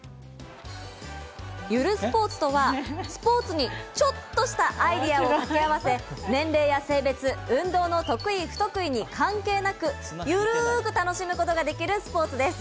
ゆるスポーツとは、スポーツにちょっとしたアイデアを掛け合わせ、年齢や性別、運動の得意不得意に関係なく、ゆるく楽しむことができるスポーツです。